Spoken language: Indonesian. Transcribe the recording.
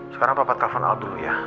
sekarang papa telfon al dulu ya